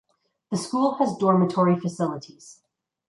The school has dormitory facilities.